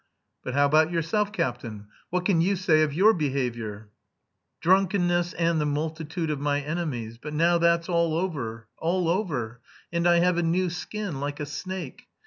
"But how about yourself, captain? What can you say of your behaviour?" "Drunkenness, and the multitude of my enemies. But now that's all over, all over, and I have a new skin, like a snake.